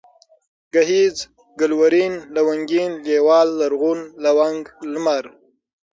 گهيځ ، گلورين ، لونگين ، لېوال ، لرغون ، لونگ ، لمر